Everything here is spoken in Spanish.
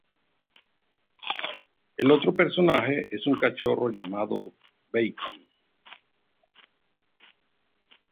El otro personaje es un cachorro llamado Bacon.